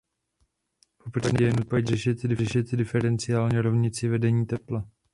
V opačném případě je nutno řešit diferenciální rovnici vedení tepla.